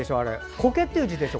「苔」っていう字でしょ？